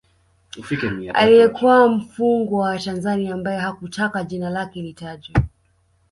Aliyekuwa mfungwa wa Tanzania ambaye hakutaka jina lake litajwe